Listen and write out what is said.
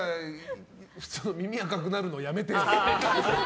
耳赤くなるの、やめてよ。